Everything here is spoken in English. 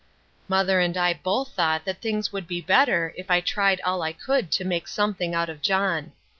Mother and I both thought that things would be better if I tried all I could to make something out of John.